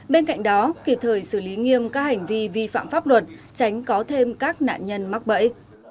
bên cạnh đó kịp thời xử lý nghiêm các hành vi vi phạm pháp luật tránh có thêm các nạn nhân mắc bẫy